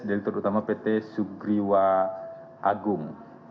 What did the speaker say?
direktur pt sugriwa agung